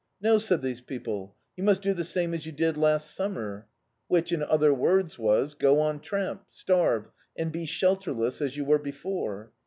"No," said these people, "you must do the same as you did last summer;" which, in other words was — go on tramp, starve, and be shelterless as you were be fore.